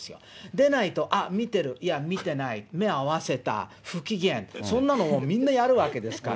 でないと、あっ、見てる、いや見てない、目合わせた、不機嫌、そんなのみんなやるわけですから。